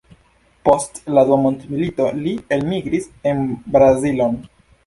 Post la dua mondmilito li elmigris en Brazilon.